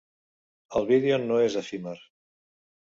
El vídeo no és efímer.